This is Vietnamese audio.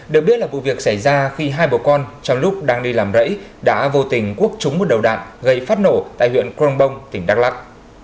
được biết là vụ việc xảy ra khi hai bồ con trong lúc đang đi làm rẫy đã vô tình cuốc trúng một đầu đạn gây phát nổ tại huyện crongbong tỉnh đắk lạc